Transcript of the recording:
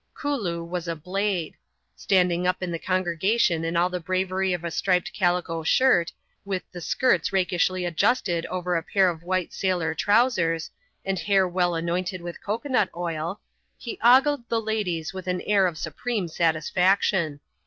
Kooloo was a blade. Standing up in the congregation in all the bravery of a striped calico shirt, with the skirts rakishlj adjusted over a pair of white sailor trowsers, and hair weU anointed with cocoa nut oil, he ogled the ladies with an air of supreme satisfaction.